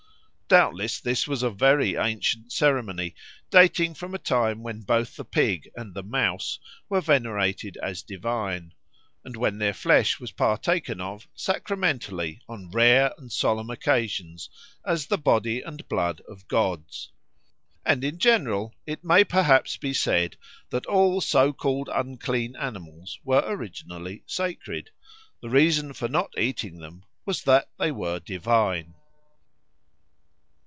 Doubtless this was a very ancient ceremony, dating from a time when both the pig and the mouse were venerated as divine, and when their flesh was partaken of sacramentally on rare and solemn occasions as the body and blood of gods. And in general it may perhaps be said that all so called unclean animals were originally sacred; the reason for not eating them was that they were divine.